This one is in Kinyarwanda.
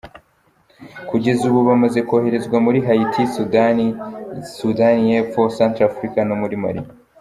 Kugeza ubu bamaze koherezwa muri Haiti, Sudani, Sudani y’Epfo, Centrafurika no muri Mali.